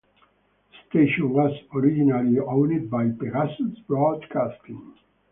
The station was originally owned by Pegasus Broadcasting.